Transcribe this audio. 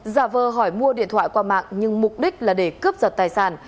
giả vờ hỏi mua điện thoại qua mạng nhưng mục đích là để cướp giật tài sản